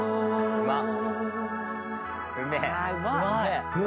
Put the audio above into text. うまっ！